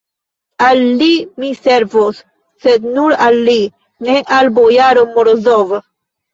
Al li mi servos, sed nur al li, ne al bojaro Morozov.